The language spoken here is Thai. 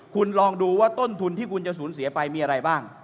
คุณลองดูว่าต้นทุนที่คุณจะสูญเสียไปมีอะไรบ้าง